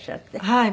はい。